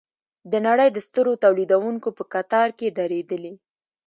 د نړۍ د سترو تولیدوونکو په کتار کې دریدلي.